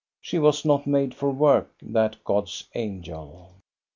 She was not made for work, that God's angel.